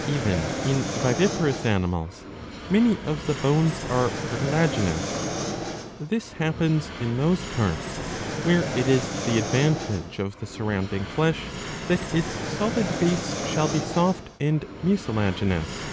^ Even in viviparous animals many of the bones are cartilaginous. This happens in those parts where it is to the advantage of the surrounding flesh that its solid base shall be soft and mucilaginous.